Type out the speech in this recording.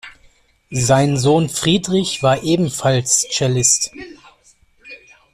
Sein Sohn Friedrich war ebenfalls Cellist.